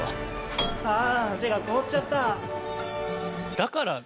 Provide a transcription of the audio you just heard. ああ手が凍っちゃった。